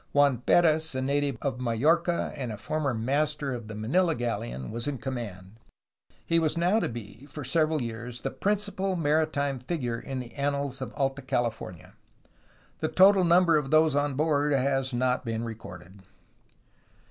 Juan P^rez, a native of Majorca and a former master of the Manila galleon, was in command ; he was now to be, for several years, the'principal maritime figure in the annals of Alta California. The total number of those on board has not been re corded.